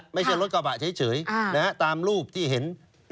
ไม่ใช่รถกระบะเฉยตามรูปที่เห็น